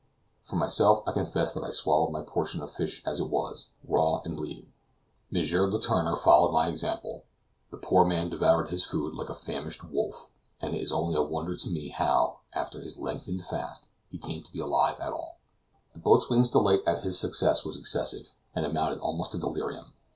For myself, I confess that I swallowed my portion of fish as it was raw and bleeding. M. Letourneur followed my example; the poor man devoured his food like a famished wolf, and it is only a wonder to me how, after his lengthened fast, he came to be alive at all. The boatswain's delight at his success was excessive, and amounted almost to delirium.